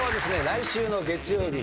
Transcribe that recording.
来週の月曜日。